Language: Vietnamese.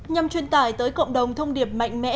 nhằm truyền tải tới cộng đồng thông điệp mạnh mẽ